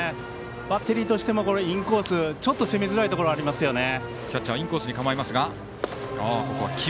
バッテリーとしてはインコースちょっと攻めづらいところがありますよね。